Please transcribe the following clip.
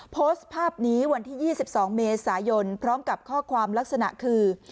โพสต์ภาพนี้วันที่๒๒เมษายนพร้อมกับข้อความลักษณะคือ